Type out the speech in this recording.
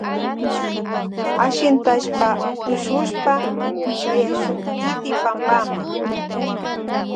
Ashintashpa tushushpa chayashun kiti pampama.